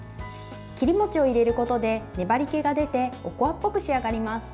切り餅を入れることで粘りけが出ておこわっぽく仕上がります。